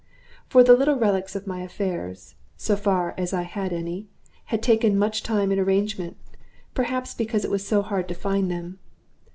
For the little relics of my affairs so far as I had any had taken much time in arrangement, perhaps because it was so hard to find them.